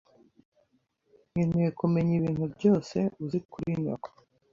Nkeneye kumenya ibintu byose uzi kuri nyoko.